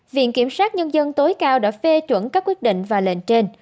viện kiểm sát nhân dân tối cao đã phê chuẩn các quyết định và lệnh trên